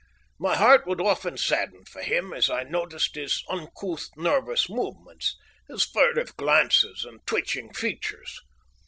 My heart would often sadden for him as I noticed his uncouth, nervous movements, his furtive glances and twitching features.